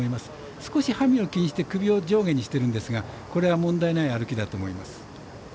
少しハミを気にして首を上下しているんですがこれは問題ない歩きだと思います。